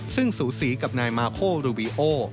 ซึ่งสูสีกับนายมาโครูบีโอ